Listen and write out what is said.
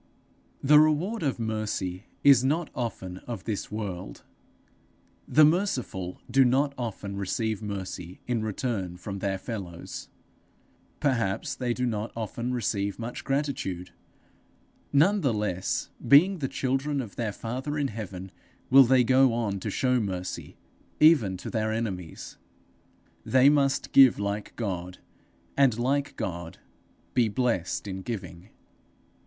The reward of mercy is not often of this world; the merciful do not often receive mercy in return from their fellows; perhaps they do not often receive much gratitude. None the less, being the children of their father in heaven, will they go on to show mercy, even to their enemies. They must give like God, and like God be blessed in giving.